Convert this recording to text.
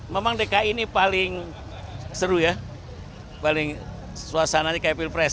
memang dki ini paling seru ya paling suasananya kayak pilpres